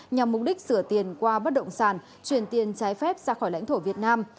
nhằm mục đích sửa tiền qua bất động sản chuyển tiền trái phép ra khỏi lãnh thổ việt nam